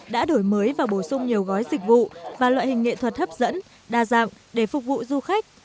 đã đổi mới và bổ sung nhiều gói dịch vụ và loại hình nghệ thuật hấp dẫn đa dạng để phục vụ du khách